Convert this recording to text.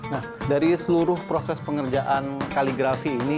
nah dari seluruh proses pengerjaan kaligrafi ini